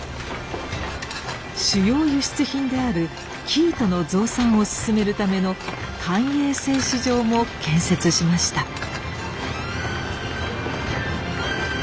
主要輸出品である生糸の増産を進めるための官営製糸場も建設しました。